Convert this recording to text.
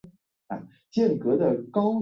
所以才需要转校重读中五。